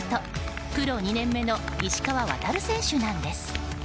プロ２年目の石川航選手なんです。